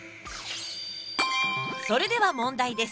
それでは問題です。